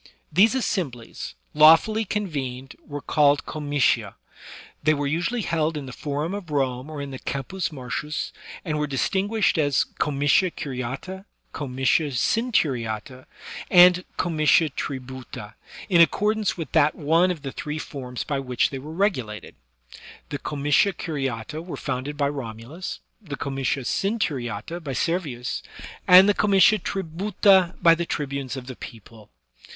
These assemblies, lawfully convened, were called comitia; they were usually held in the Forum of Rome or in the Campus Martius^ and were distinguished as comitia curiata^ comitia centuriata^ and comitia tributa^ in accordance with that one of the three forms by which they were regulated. The comitia curiata were founded by Romulus, the comitia centuriata by Servius, and the comitia tributa by the tribunes of the people.